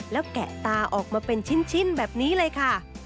แล้วแกะตาออกมาเป็นชิ้นแบบนี้เลยค่ะ